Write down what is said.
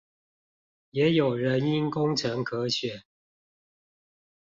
也有人因工程可選